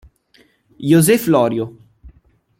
José Florio